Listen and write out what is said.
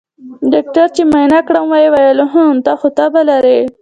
ډاکتر چې معاينه کړم ويې ويل اوهو ته خو تبه لرې.